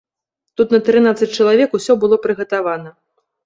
Тут на трынаццаць чалавек усё было прыгатавана.